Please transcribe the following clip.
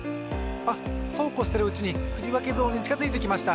あっそうこうしてるうちにふりわけゾーンにちかづいてきました。